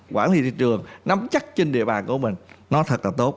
quản lý thị trường nắm chắc trên địa bàn của mình nó thật là tốt